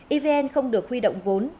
evn không được huy động vốn